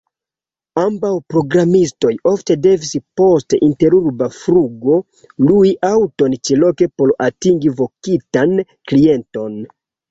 Ambaŭ programistoj ofte devis post interurba flugo lui aŭton ĉeloke por atingi vokintan klienton.